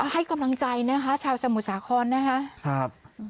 ให้กำลังใจชาวสมุสาครนะครับ